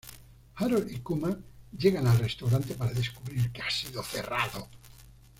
Harold y Kumar llegan al restaurante para descubrir que ha sido cerrado.